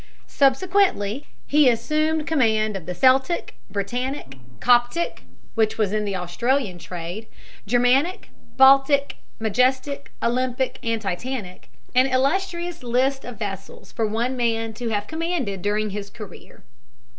Subsequently he assumed command of the Celtic, Britannic, Coptic (which was in the Australian trade), Germanic, Baltic, Majestic, Olympic and Titanic, an illustrious list of vessels for one man to have commanded during his career.